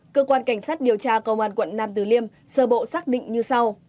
cơ quan cảnh sát điều tra công an quận nam từ liêm sơ bộ xác định như sau